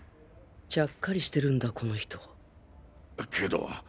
ちゃっかりしてるんだ。この人けど。